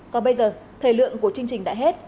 còn bây giờ thời lượng của chương trình đã hết